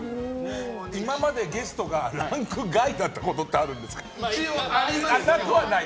今までゲストがランク外だったことって一応ありますね。